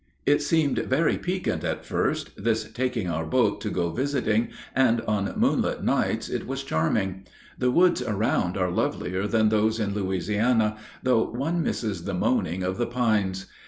It seemed very piquant at first, this taking our boat to go visiting, and on moonlight nights it was charming. The woods around are lovelier than those in Louisiana, though one misses the moaning of the pines.